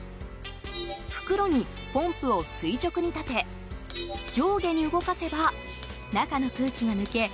袋にポンプを垂直に立て上下に動かせば、中の空気が抜け